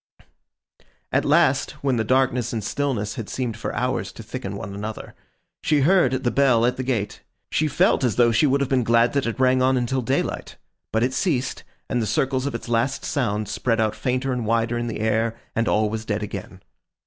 At last, when the darkness and stillness had seemed for hours to thicken one another, she heard the bell at the gate. She felt as though she would have been glad that it rang on until daylight; but it ceased, and the circles of its last sound spread out fainter and wider in the air, and all was dead again.